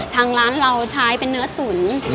ทางร้านเราใช้เป็นเนื้อตุ๋น